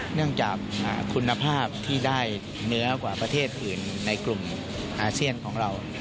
เนื่องจากคุณภาพที่ได้เนื้อกว่าประเทศอื่นในกลุ่มอาเซียนของเรา